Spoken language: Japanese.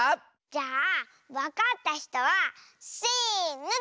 じゃあわかったひとはせのでいおう。